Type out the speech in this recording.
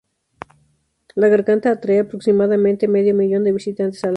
La garganta atrae aproximadamente medio millón de visitantes al año.